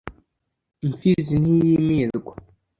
impfizi ntiyimirwa